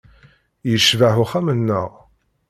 Yecbeḥ uxxam-nneɣ.